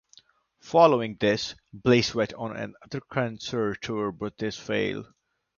Following this, Bliss went on another concert tour, but this failed.